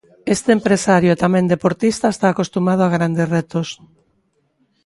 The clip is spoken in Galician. Este empresario e tamén deportista está acostumado a grandes retos.